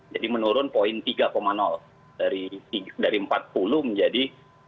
jadi menurun poin tiga dari empat puluh menjadi tiga puluh tujuh